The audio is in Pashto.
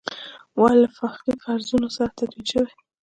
وار له مخکې فرضونو سره تدوین شوي.